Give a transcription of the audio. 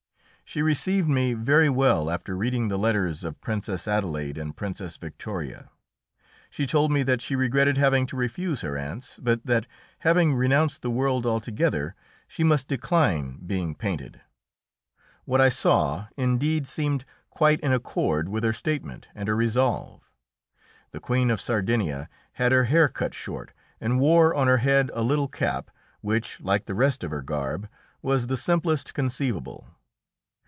She received me very well after reading the letters of Princess Adelaide and Princess Victoria. She told me that she regretted having to refuse her aunts, but that, having renounced the world altogether, she must decline being painted. What I saw indeed seemed quite in accord with her statement and her resolve. The Queen of Sardinia had her hair cut short and wore on her head a little cap, which, like the rest of her garb, was the simplest conceivable.